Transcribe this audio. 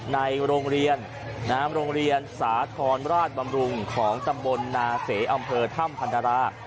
ในโรงเรียนโรงเรียนสาธรณราชบำรุงของตำบลนาเสอำเภอถ้ำพันธรา